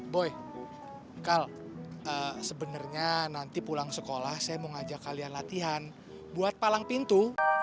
boy kal sebenarnya nanti pulang sekolah saya mau ngajak kalian latihan buat palang pintu